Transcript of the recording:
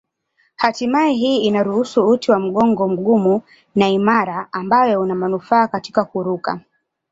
Hatimaye hii inaruhusu uti wa mgongo mgumu na imara ambayo una manufaa katika kuruka.